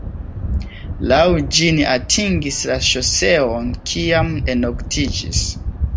Laŭ ĝi ni atingis la ŝoseon, kiam eknoktiĝis.